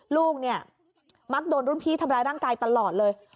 ลูกเนี่ยมักโดนรุ่นพี่ทำร้ายร่างกายตลอดเลย